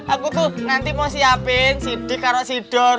aku tuh nanti mau siapin sidik kalau sidor